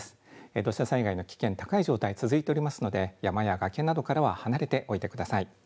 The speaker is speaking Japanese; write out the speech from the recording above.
土砂災害の危険、高い状態、続いておりますので山や崖などからは離れておいてください。